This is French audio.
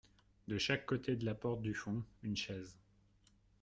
De chaque côté de la porte du fond, une chaise.